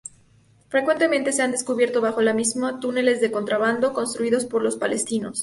Frecuentemente se han descubierto bajo la misma túneles de contrabando construidos por los palestinos.